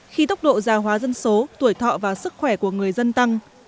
khi tốc độ già hóa dân số tuổi thọ và sức khỏe của người dân tăng